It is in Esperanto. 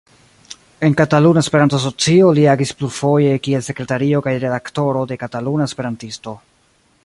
En Kataluna Esperanto-Asocio li agis plurfoje kiel sekretario kaj redaktoro de "Kataluna Esperantisto".